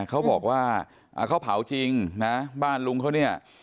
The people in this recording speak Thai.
เขาบอกว่าเขาเผาจริงนะบ้านลุงเขาเนี่ย